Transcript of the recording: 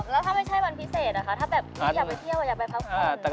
แล้วถ้าไม่ใช่วันพิเศษนะคะถ้าแบบอยากไปเที่ยวอยากไปพักคนอื่น